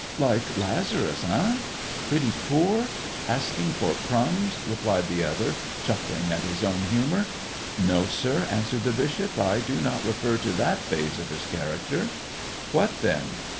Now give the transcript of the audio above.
"Like Lazarus, eh! Pretty poor! Asking for crumbs!" replied the other, chuckling at his own humor. "No, sir," answered the bishop ; "I do not refer to that phase of his character." "What, tlien!"